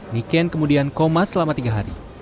niken kemudian koma selama tiga hari